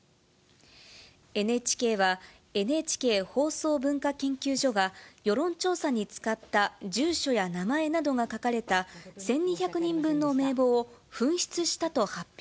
ＮＨＫは、ＮＨＫ放送文化研究所が世論調査に使った住所や名前などが書かれた１２００人分の名簿を紛失したと発表。